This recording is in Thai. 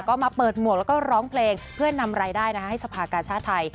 ก็มาเปิดหมวกแล้วก็ร้องเพลงเพื่อนำรายได้ให้สภากาชาติไทย